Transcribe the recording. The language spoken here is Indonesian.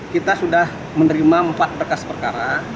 kita sudah menerima empat berkas perkara